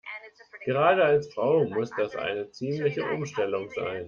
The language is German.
Gerade als Frau muss das eine ziemliche Umstellung sein.